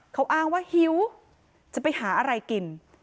เขาอ้างว่าหิวจะไปหาอะไรกิน